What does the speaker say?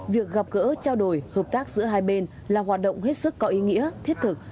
việc gặp gỡ trao đổi hợp tác giữa hai bên là hoạt động hết sức có ý nghĩa thiết thực